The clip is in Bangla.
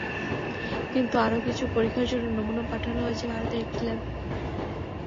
কিন্তু আরও কিছু পরীক্ষার জন্য নমুনা পাঠাতে হয়েছে ভারতের একটি ল্যাবে।